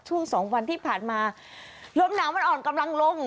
ช่วงสองวันที่ผ่านมาลมหนาวมันอ่อนกำลังลง